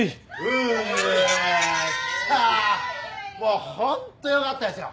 もうホントよかったですよ。